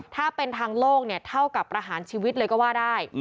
ถ้าเป็นทางโลกเนี่ยเท่ากับประหารชีวิตเลยก็ว่าได้